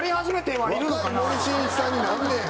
若い森進一さんになんねん。